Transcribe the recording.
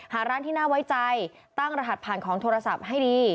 หาร้านที่น่าไว้ใจตั้งรหัสผ่านของโทรศัพท์ให้ดี